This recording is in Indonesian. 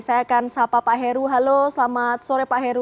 saya akan sapa pak heru halo selamat sore pak heru